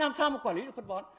làm sao mà quản lý được phân bón